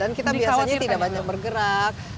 dan kita biasanya tidak banyak bergerak